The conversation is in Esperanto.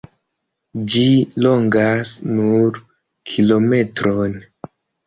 Ĝi longas nur kilometron.